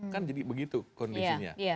kan jadi begitu kondisinya